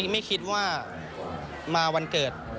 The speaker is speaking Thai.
ไม่คิดว่ามาวันเกิด